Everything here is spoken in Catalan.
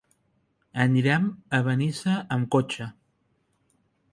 Anirem a Benissa amb cotxe.